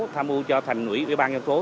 tham mưu cho thành nữ của bang thành phố